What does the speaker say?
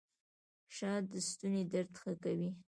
شات د ستوني درد ښه کوي